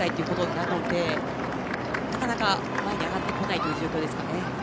なかなか前に上がってこない状況ですかね。